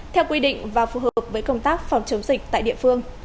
theo quy định và phù hợp với công tác phòng chống dịch tại địa phương